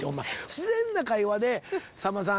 自然な会話で「さんまさん